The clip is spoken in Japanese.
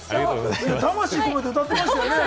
魂込めて歌ってたよね。